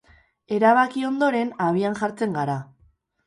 Erabaki ondoren, abian jartzen gara.